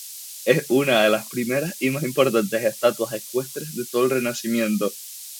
Es una de las primeras y más importantes estatuas ecuestres de todo el Renacimiento.